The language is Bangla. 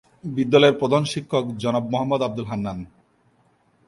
বিদ্যালয়ের প্রধান শিক্ষক জনাব মোহাম্মদ আব্দুল হান্নান।